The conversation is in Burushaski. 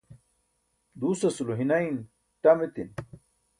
duusasulo hinain ṭam etin